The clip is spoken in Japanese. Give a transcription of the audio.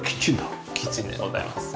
キッチンでございます。